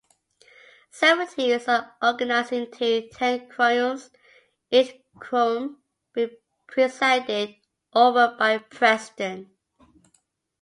Seventies are organized into ten quorums, each quorum being presided over by a president.